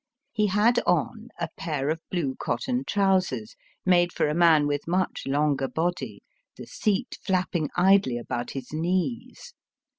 He had on a pair of blue cotton trousers, made for a man with much longer body, the seat flapping idly about his knees.